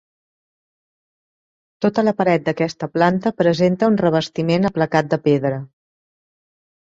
Tota la paret d’aquesta planta presenta un revestiment aplacat de pedra.